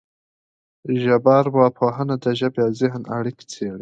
ژبارواپوهنه د ژبې او ذهن اړیکې څېړي